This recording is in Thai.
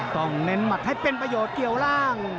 เน้นหมัดให้เป็นประโยชน์เกี่ยวร่าง